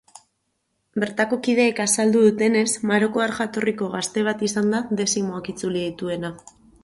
Bertako kideek azaldu dutenez marokoar jatorriko gazte bat izan da dezimoak itzuli dituena.